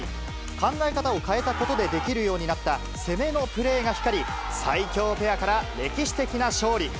考え方を変えたことでできるようになった攻めのプレーが光り、最強ペアから歴史的な勝利。